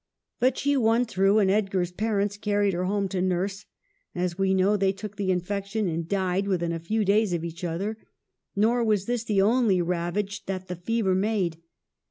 But she won through, and Edgar's parents carried her home to nurse. As we know, they took the infection and died within a few days of each other. Nor was this the only ravage that the fever made.